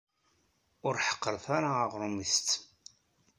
Ur ḥeqṛet ara aɣṛum i tettem